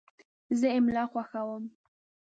زه املا خوښوم.